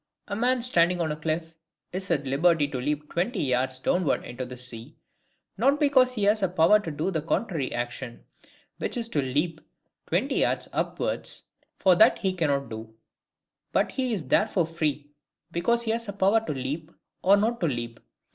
A man standing on a cliff, is at liberty to leap twenty yards downwards into the sea, not because he has a power to do the contrary action, which is to leap twenty yards upwards, for that he cannot do; but he is therefore free, because he has a power to leap or not to leap.